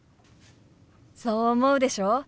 そう思うでしょ？